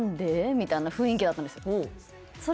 みたいな雰囲気だったんですよ